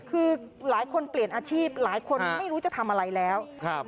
คือหลายคนเปลี่ยนอาชีพหลายคนไม่รู้จะทำอะไรแล้วครับ